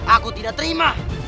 aku tidak terima